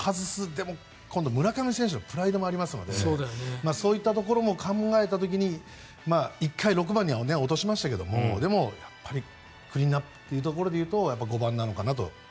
でも今度、村上選手のプライドもありますのでそういったところも考えた時に一回６番に落としましたけどクリーンアップというところで５番なのかなと。